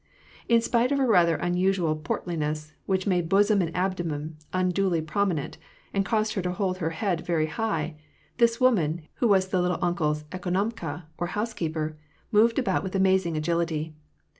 In spite of her rather unusual ])ortliness, which niiide bosom and abdomen unduly prominent, and caused her to hold her head very high, this woman, who was the " little uncle's " ekonomka or housekeeper, moved about with amazing agility.